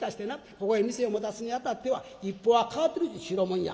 ここへ店を持たすにあたっては一本はかかってるっちゅう代物や」。